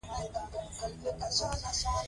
د چک د بریښنا فابریکه هم په همدې ځای کې موقیعت لري